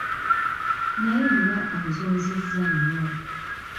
Naye nga onzunzizza nnyo.